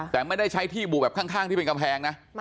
แต่ไม่ได้ใช้ที่บู่แบบข้างที่เป็นกำแพงนะ